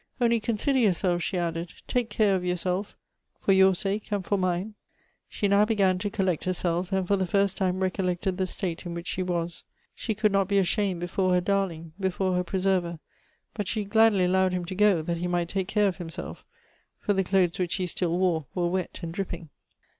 ' Only consider yourself,' she added ;' take care of yourself, for your sake and for mine.' "She now began to collect herself, and for the first time recollected the state in which she was; she could not be ashamed before her darling, before her preserver; but she gladly allowed him to go, th. it he might take care of himself; for the clothes which he still wore were wet and dripping."